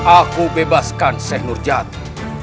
aku bebaskan seh nurjati